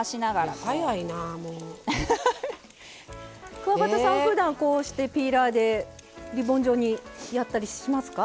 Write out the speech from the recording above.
くわばたさんふだんこうしてピーラーでリボン状にやったりしますか？